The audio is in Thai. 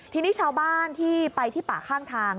ทีนี้ชาวบ้านที่ไปที่ป่าข้างทาง